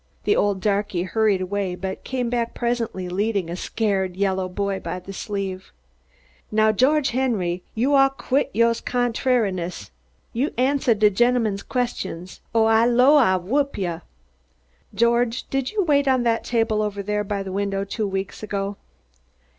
The old darky hurried away, but came back presently leading a scared yellow boy by the sleeve. "Now, Geoge Henry, you all quit youah contrahiness an' ansuh de genleman's questions o' Ah 'low Ah whup you." "George, did you wait on that table over there by the window two weeks ago?"